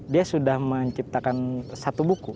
dia sudah menciptakan satu buku